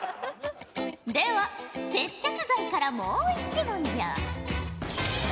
では接着剤からもう一問じゃ。